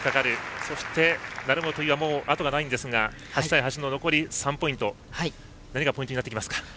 そして、成本、井はもう後がないんですが８対８の残り３ポイント何がポイントになってきますか？